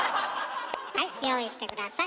はい用意して下さい。